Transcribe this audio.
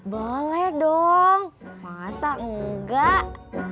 boleh dong masa enggak